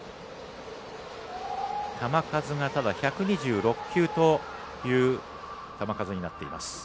球数が１２６球という球数になっています。